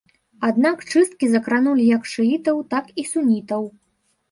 Аднак чысткі закранулі як шыітаў, так і сунітаў.